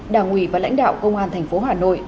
đảng ủy và lãnh đạo công an thành phố hà nội